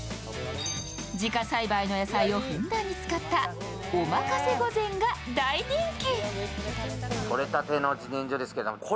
自家栽培の野菜をふんだんに使ったおまかせ御膳が大人気。